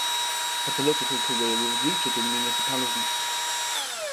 Her political career is rooted in municipalism.